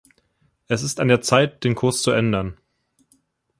Es ist an der Zeit, den Kurs zu ändern.